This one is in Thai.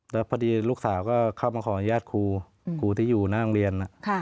แล้วพอดีลูกสาวก็เข้ามาขออนุญาตครูครูที่อยู่หน้าโรงเรียน